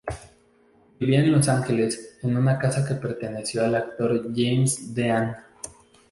Vivía en Los Ángeles en una casa que perteneció al actor James Dean.